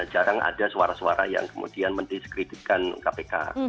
jarang ada suara suara yang kemudian mendiskreditkan kpk